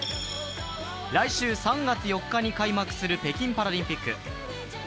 来週３月４日に開幕する北京パラリンピック。